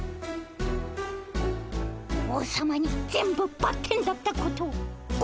王様に全部バッテンだったことをご